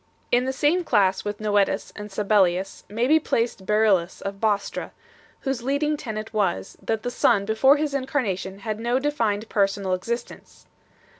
In the same class with Noetus and Sabellius may be placed Beryllus of Bostra, whose leading tenet was, that the Son before His Incarnation had no defined personal J See p.